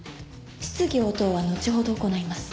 質疑応答は後ほど行います。